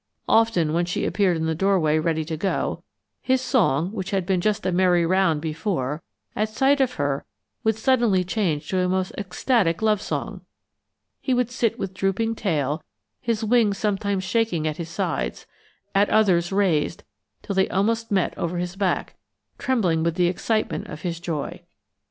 Often when she appeared in the doorway ready to go, his song, which had been just a merry round before, at sight of her would suddenly change to a most ecstatic love song. He would sit with drooping tail, his wings sometimes shaking at his sides, at others raised till they almost met over his back, trembling with the excitement of his joy.